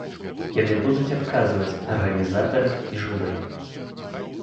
Яны будуць адказваць, арганізатары і журы.